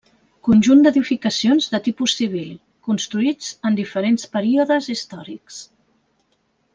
Conjunt d'edificacions de tipus civil, construïts en diferents períodes històrics.